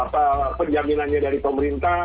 penjaminannya dari pemerintah